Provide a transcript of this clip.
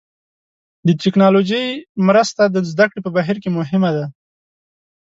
د ټکنالوژۍ مرسته د زده کړې په بهیر کې مهمه ده.